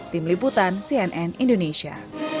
tim liputan cnn indonesia